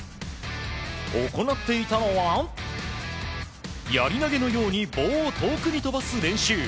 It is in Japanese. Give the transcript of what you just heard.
行っていたのはやり投げのように棒を遠くに飛ばす練習。